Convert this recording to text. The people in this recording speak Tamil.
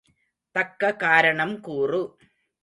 தக்க காரணம் கூறு.